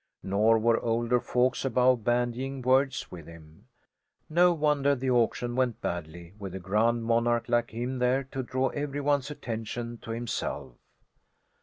Nor were older folks above bandying words with him. No wonder the auction went badly, with a grand monarch like him there to draw every one's attention to himself!